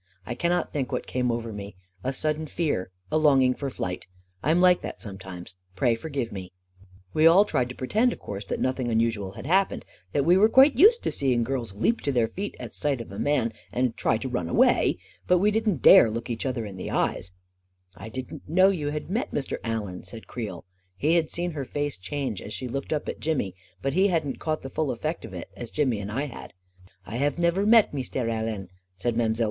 " I can not think what came over me — a sudden fear — a longing for flight I am like that sometimes ! Pray forgive me I " We all tried to pretend, of course, that nothing unusual had happened — that we were quite used to seeing girls leap to their feet at sight of a man and 59 6o A KING IN BABYLON try to run away I But we didn't dare look each other in the eyes 1 " I didn't know you had met Mr. Allen/ 9 said Creel. He had seen her face change as she looked up at Jimmy, but he hadn't caught the full effect of it, as Jimmy and I had. " I have never met Meestaire Allen," said Mile.